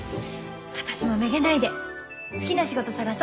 私もめげないで好きな仕事探そ。